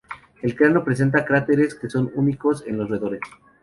El cráneo presenta caracteres que son únicos en los roedores.